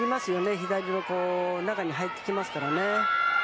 左の中に入ってきますからね。